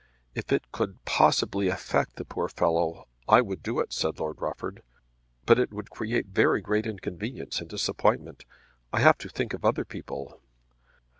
"If it could possibly affect the poor fellow I would do it," said Lord Rufford; "but it would create very great inconvenience and disappointment. I have to think of other people."